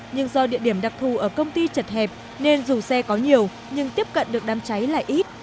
nhưng do địa điểm đặc thù ở công ty chật hẹp nên dù xe có nhiều nhưng tiếp cận được đám cháy lại ít